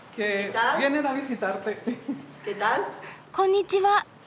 こんにちは。